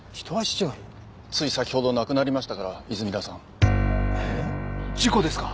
つい先ほど亡くなりましたから泉田さん。えっ！？事故ですか？